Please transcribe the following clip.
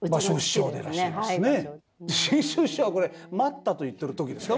志ん生師匠はこれ「待った」と言ってる時ですか？